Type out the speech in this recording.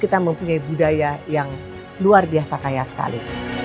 kita mempunyai keberagaman dan kita mempunyai budaya yang luar biasa kaya sekali